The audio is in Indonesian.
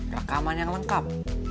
rekaman yang lengkap